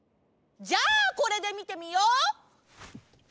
じゃあこれでみてみよう。